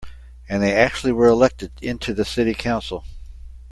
And they actually were elected into the city council.